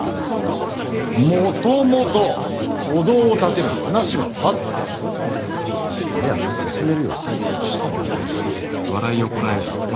もともとお堂を建てる話はあって早く進めるよう催促しただけだ。